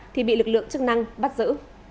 thì bị lực lượng chức năng bắt giữ